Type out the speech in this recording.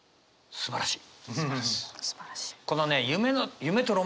すばらしい。